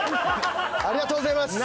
ありがとうございます。